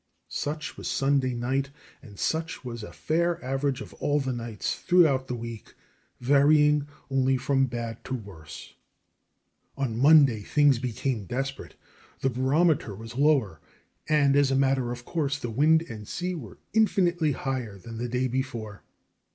Such was Sunday night, and such was a fair average of all the nights throughout the week, varying only from bad to worse. On Monday things became desperate. The barometer was lower and, as a matter of course, the wind and sea were infinitely higher than the day before.